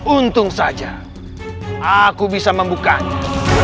untung saja aku bisa membukanya